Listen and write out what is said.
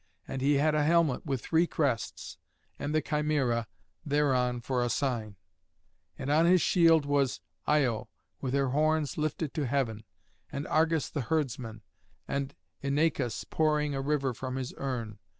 And he had a helmet with three crests, and the Chimæra thereon for a sign; and on his shield was Io, with her horns lifted to heaven, and Argus the herdsman, and Inachus pouring a river from his urn.